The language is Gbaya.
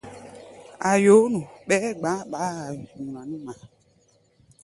A̧ yoó nu, ɓɛɛ́ gba̧á̧ ɓaá-a nyuna nú ŋmaa.